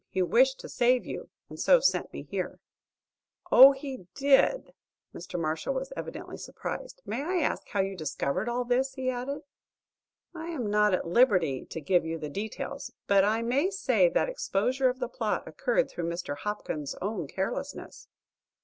He wished to save you, and so sent me here." "Oh, he did!" Mr. Marshall was evidently surprised. "May I ask how you discovered all this?" he added. "I am not at liberty to give you the details. But I may say the exposure of the plot occurred through Mr. Hopkins's own carelessness.